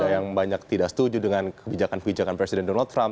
yang banyak tidak setuju dengan kebijakan kebijakan presiden donald trump